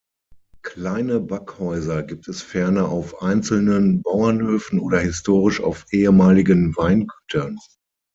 Kleine Backhäuser gibt es ferner auf einzelnen Bauernhöfen oder historisch auf ehemaligen Weingütern.